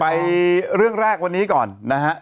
ไปเรื่องแรกวันนี้ก่อนนะฮะ